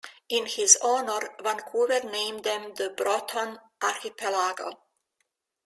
In his honour, Vancouver named them the Broughton Archipelago.